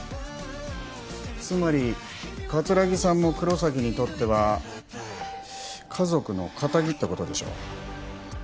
つまり桂木さんも黒崎にとっては家族の敵ってことでしょ？